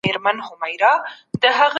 د فعالیت زیاتولو لپاره خواړه اړین دي.